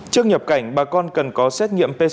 trước nhập cảnh bà con cần có xét nghiệm pcr ở phòng